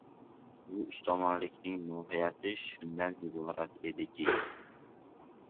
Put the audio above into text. Bu ustomonlikning, mohiyati shundan iborat ediki